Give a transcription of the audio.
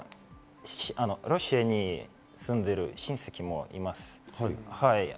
ロシアに住んでいる親戚もいます。